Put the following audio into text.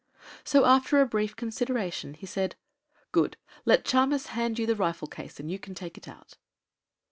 So after a brief consideration he said: "Good. Let Chamis hand you the rifle case and you can take it out."